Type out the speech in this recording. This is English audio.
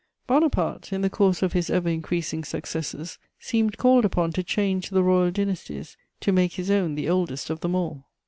Bonaparte, in the course of his ever increasing successes, seemed called upon to change the royal dynasties, to make his own the oldest of them all.